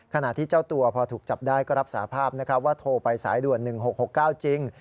ขณะที่เจ้าตัวพอถูกจับได้ก็รับสาภาพว่าโทรไปสายด่วน๑๖๖๙จริง